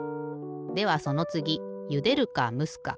ではそのつぎゆでるかむすか。